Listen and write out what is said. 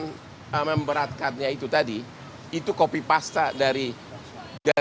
coba alasan alasan memberatkannya itu tadi itu kopi pasta dari jaksa